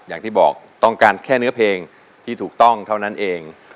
อย่างที่บอกต้องการแค่เนื้อเพลงที่ถูกต้องเท่านั้นเอง